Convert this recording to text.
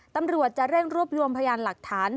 ตำรวจจะเร่งรวบรวมพยานหลักฐาน